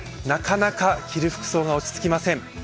なかなか着る服装が落ち着きません。